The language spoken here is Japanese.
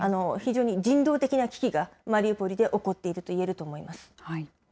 非常に人道的な危機がマリウポリで起こっているといえると思いま